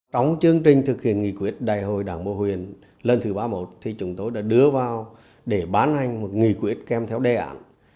trong chương trình thực hiện nghị quyết đại hội đảng bộ huyện lần thứ ba mươi một thì chúng tôi đã đưa vào để bán hành một nghị quyết kèm theo đề án